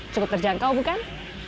cukup terjangkau bukan